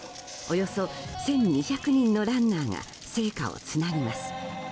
およそ１２００人のランナーが聖火をつなぎます。